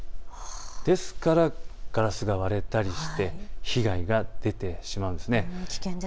ですからガラスが割れたりして被害が出てしまうんです。